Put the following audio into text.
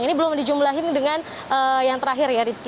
ini belum dijumlahin dengan yang terakhir ya rizky